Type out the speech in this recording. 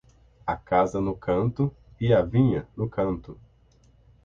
A casa no canto; e a vinha, no canto.